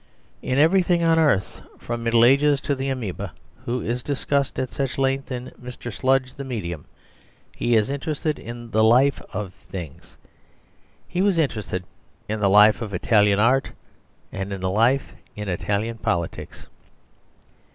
In everything on earth, from the Middle Ages to the amoeba, who is discussed at such length in "Mr. Sludge the Medium," he is interested in the life in things. He was interested in the life in Italian art and in the life in Italian politics.